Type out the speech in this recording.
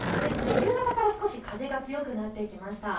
夕方から少し風が強くなってきました。